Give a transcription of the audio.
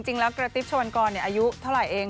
จริงแล้วกระติ๊บชวนกรอายุเท่าไรเอง